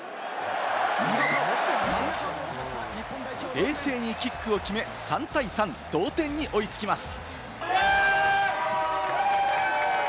冷静にキックを決め、３対３の同点に追いつきます。